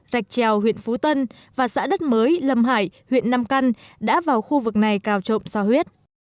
rạch trèo huyện phú tân và xã đất mới lâm hải huyện nam căn đã vào khu vực này cào trộm so huyết